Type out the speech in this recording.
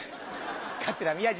桂宮治